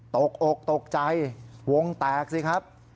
ตกอกตกใจวงแตกสิครับ